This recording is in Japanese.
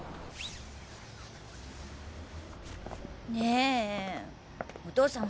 ねえお父さん